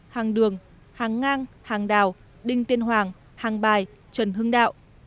hàng đường hàng ngang hàng đào đinh tiên hoàng hàng bài trần hưng đạo